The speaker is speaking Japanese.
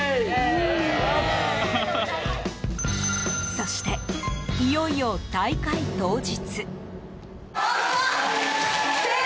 そして、いよいよ大会当日。